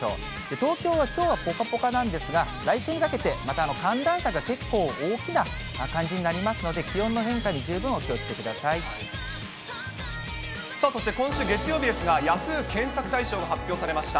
東京はきょうはぽかぽかなんですが、来週にかけてまた寒暖差が結構大きな感じになりますので、気温のそして今週月曜日ですが、ＹＡＨＯＯ！検索大賞が発表されました。